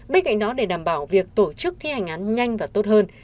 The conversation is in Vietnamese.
bên cạnh đó để đảm bảo việc tổ chức thi hành án nhanh và tốt hơn